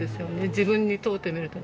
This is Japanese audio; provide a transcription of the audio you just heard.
自分に問うてみるとね。